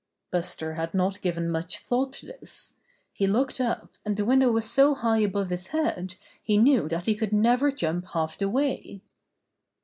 Buster had not given much thought to this. He looked up, and the window was so high above his head he knew that he could never jump half the way.